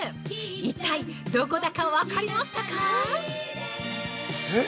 一体どこだか、分かりましたか？